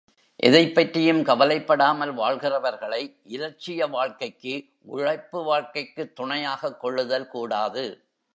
எதைப் பற்றியும் கவலைப்படாமல் வாழ்கிறவர்களை இலட்சிய வாழ்க்கைக்கு உழைப்பு வாழ்க்கைக்குத் துணையாகக் கொள்ளுதல் கூடாது.